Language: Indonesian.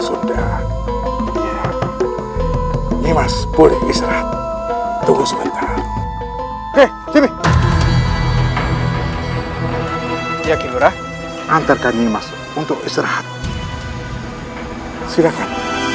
sudah nyemas boleh istirahat tunggu sebentar ya gilurah antarkan ini masuk untuk istirahat silakan